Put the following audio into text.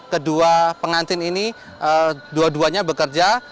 kedua pengantin ini dua duanya bekerja